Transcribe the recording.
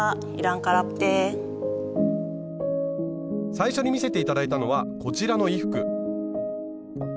最初に見せて頂いたのはこちらの衣服。